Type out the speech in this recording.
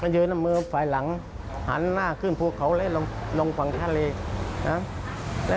ยืนเอามือฝ่ายหลังหันหน้าขึ้นภูเขาและลงฝั่งทะเลนะ